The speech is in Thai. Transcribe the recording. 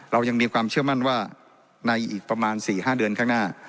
เรายังมีความเชื่อมั่นว่าในอีกประมาณ๔๕เดือนข้างหน้า